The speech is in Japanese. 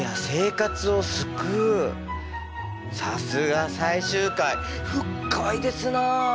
さすが最終回深いですなあ。